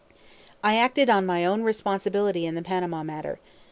I acted on my own responsibility in the Panama matter.